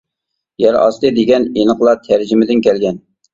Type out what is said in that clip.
يەر ئاستى دېگەن ئېنىقلا تەرجىمىدىن كەلگەن.